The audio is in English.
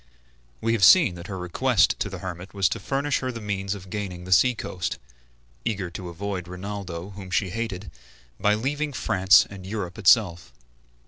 We have seen that her request to the hermit was to furnish her the means of gaining the sea coast, eager to avoid Rinaldo, whom she hated, by leaving France and Europe itself.